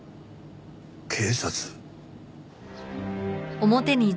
警察。